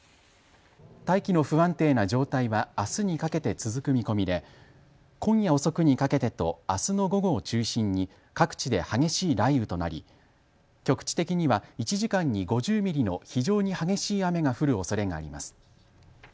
大気の不安定な状態はあすにかけて続く見込みで今夜遅くにかけてとあすの午後を中心に各地で激しい雷雨となり局地的には１時間に５０ミリの非常に激しい雨が降るおそれがあります。